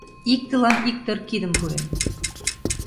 Иктылан иктӧр кидым пуэн